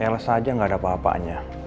ls aja gak ada apa apaannya